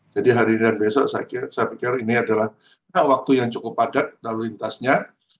jadi hari ini dan besok saya pikir ini adalah waktu yang cukup padat lalu lintasnya